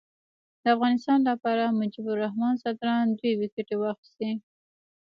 د افغانستان لپاره مجيب الرحمان ځدراڼ دوې ویکټي واخیستي.